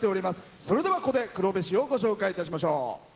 それでは、ここで黒部市をご紹介いたしましょう。